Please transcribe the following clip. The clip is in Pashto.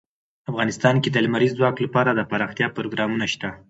افغانستان کې د لمریز ځواک لپاره دپرمختیا پروګرامونه شته.